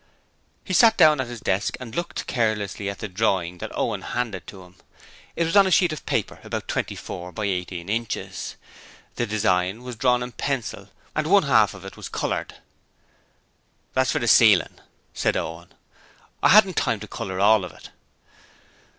He sat down at his desk and looked carelessly at the drawing that Owen handed to him. It was on a sheet of paper about twenty four by eighteen inches. The design was drawn with pencil and one half of it was coloured. 'That's for the ceiling,' said Owen. 'I hadn't time to colour all of it.'